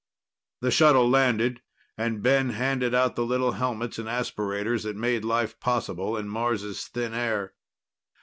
The shuttle landed and Ben handed out the little helmets and aspirators that made life possible in Mars' thin air.